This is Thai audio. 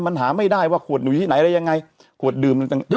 มันหาไม่ได้ว่าขวดอยู่ที่ไหนแล้วยังไงควดดื่ม